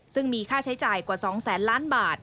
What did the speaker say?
ซึ่งมีค่าใช้จ่ายกว่า๒แสนล้านบาท